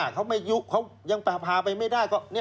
เขาไม่ยุเขายังพาไปไม่ได้